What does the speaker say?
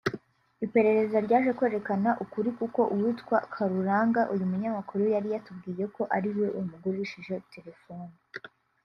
Iperereza ryaje kwerekana ukuri kuko uwitwa Karuranga uyu munyamakuru yari yatubwiye ko ariwe wamugurishije terefone